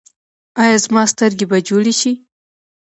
ایا زما سترګې به جوړې شي؟